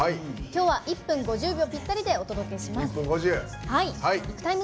きょうは、１分５０秒ぴったりでお届けします。